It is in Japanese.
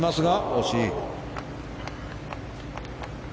惜しい。